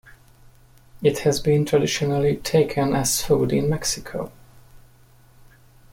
It has been traditionally taken as food in Mexico.